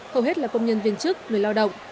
hầu hết là công nhân viên chức người lao động